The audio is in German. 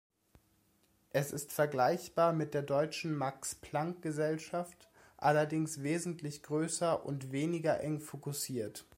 Es ist vergleichbar mit der deutschen Max-Planck-Gesellschaft, allerdings wesentlich größer und weniger eng fokussiert.